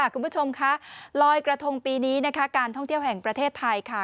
คุณผู้ชมคะลอยกระทงปีนี้นะคะการท่องเที่ยวแห่งประเทศไทยค่ะ